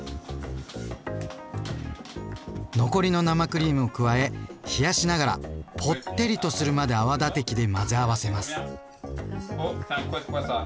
残りの生クリームを加え冷やしながらぽってりとするまで泡立て器で混ぜ合わせます。